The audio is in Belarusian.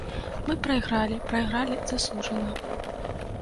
Мы прайгралі, прайгралі заслужана.